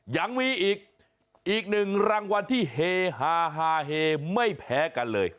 ยังมีอีกหนึ่งรางวัลที่เฮฮาฮาเฮไม่แพ้กันเลย